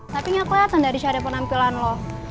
tapi nggak kelihatan dari syarik penampilan lo